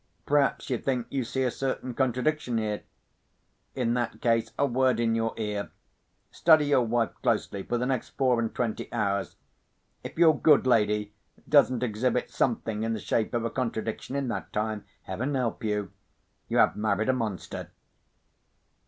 Perhaps you think you see a certain contradiction here? In that case, a word in your ear. Study your wife closely, for the next four and twenty hours. If your good lady doesn't exhibit something in the shape of a contradiction in that time, Heaven help you!—you have married a monster.